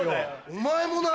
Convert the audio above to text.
お前もな。